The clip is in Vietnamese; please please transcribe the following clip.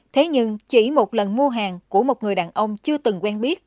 thế nhưng chỉ một lần mua hàng của một người đàn ông chưa từng quen biết